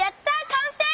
かんせい！